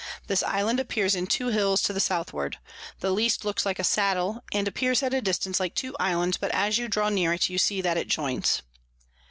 This Island appears in two Hills to the Southward: The least looks like a Saddle, and appears at a distance like two Islands, but as you draw near it, you see that it joins.